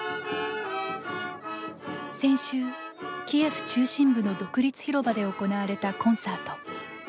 先週、キエフ中心部の独立広場で行われたコンサート。